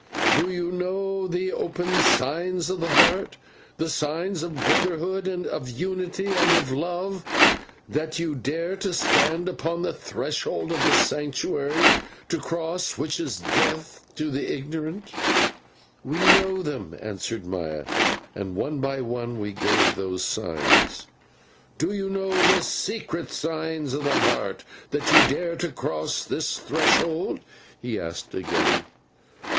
"Do you know the open signs of the Heart, the signs of Brotherhood, of Unity, and of Love, that you dare to stand upon the threshold of the Sanctuary, to cross which is death to the ignorant?" "We know them," answered Maya. And one by one we gave those signs. "Do you know the secret signs of the Heart, that you dare to cross this threshold?" he asked again.